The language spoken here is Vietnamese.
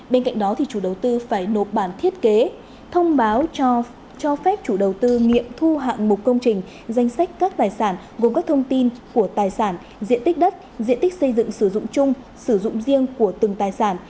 bên cạnh đó chủ đầu tư phải nộp bản thiết kế thông báo cho phép chủ đầu tư nghiệm thu hạng mục công trình danh sách các tài sản gồm các thông tin của tài sản diện tích đất diện tích xây dựng sử dụng chung sử dụng riêng của từng tài sản